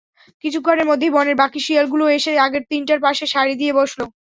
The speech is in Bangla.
কিছুক্ষণের মধ্যেই বনের বাকি শিয়ালগুলোও এসে আগের তিনটার পাশে সারি দিয়ে বসল।